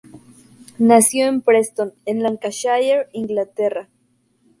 Nació en Preston en Lancashire, Inglaterra.